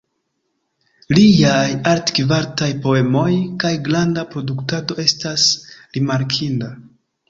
Liaj altkvalitaj poemoj kaj granda produktado estas rimarkinda.